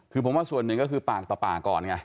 คือผมว่าส่วนหนึ่งก็คือปากต่อปากก่อนไง